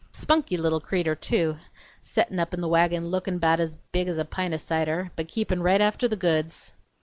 Spunky little creeter, too; settin; up in the wagon lookin' bout's big as a pint o' cider, but keepin' right after the goods!...